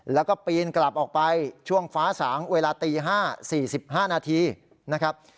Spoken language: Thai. แล้วก็ปีนกลับออกไปช่วงฟ้าสางเวลาตี๕๔๕นาทีนะครับ